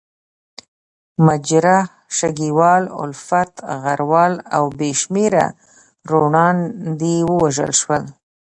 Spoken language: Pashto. مجروح، شګیوال، الفت، غروال او بې شمېره روڼاندي ووژل شول.